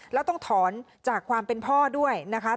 แล้วต้องถอนจากความเป็นพ่อด้วยนะคะ